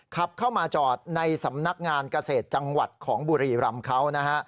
ขับเข้ามาจอดในสำนักงานเกษตรจังหวัดของบุรีรำเขานะฮะ